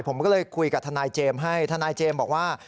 ผมก็เลยคุยกับทนายเจมส์ให้ทนายเจมส์บอกว่า